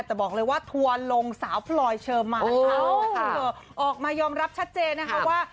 แต่บอกเลยว่าทัวร์ลงสาวปลอยเชิมมาออกมายอมรับชัดเจนนะครับว่า